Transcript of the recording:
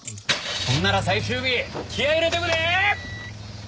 ほんなら最終日気合入れてくで！